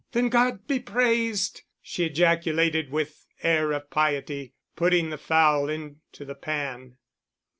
"Then God be praised!" she ejaculated with air of piety, putting the fowl into the pan.